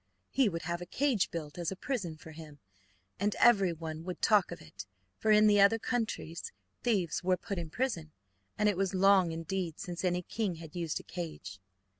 He would have a cage built as a prison for him, and everyone would talk of it, for in other countries thieves were put in prison, and it was long indeed since any king had used a cage.